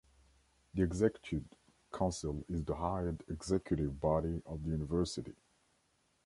The Executive Council is the highest executive body of the University.